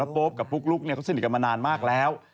คิวและปุ๊บกับปุ๊กลุ๊กเนี่ยเขาสนิทกันมานานมากแล้ว